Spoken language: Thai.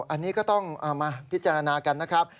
อันนี้ก็ต้องเอามาพิจารณากันนะครับ